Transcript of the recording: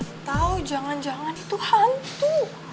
atau jangan jangan itu hantu